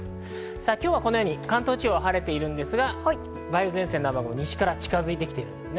今日はこのように、関東地方は晴れているんですが、梅雨前線などが西から近づいてきているんですね。